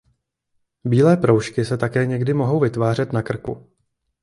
Bílé proužky se také někdy mohou vytvářet na krku.